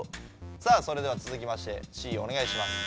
さあそれではつづきましてＣおねがいします。